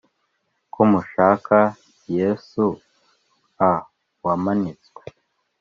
Ko mushaka yesu a wamanitswe